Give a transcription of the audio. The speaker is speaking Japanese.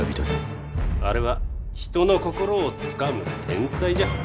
あれは人の心をつかむ天才じゃ。